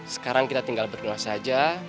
sekarang kita tinggal berdua saja